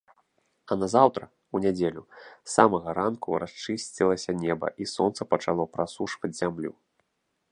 А назаўтра, у нядзелю, з самага ранку расчысцілася неба і сонца пачало прасушваць зямлю.